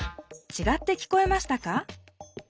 ちがって聞こえましたか？